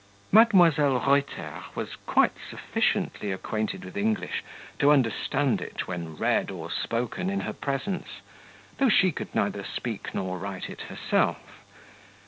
Mdlle. Reuter was quite sufficiently acquainted with English to understand it when read or spoken in her presence, though she could neither speak nor write it herself.